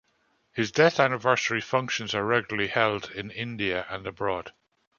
His death anniversary functions are regularly held in India and abroad.